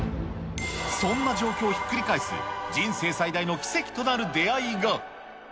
そんな状況をひっくり返す人生最大の奇跡となる出会いが。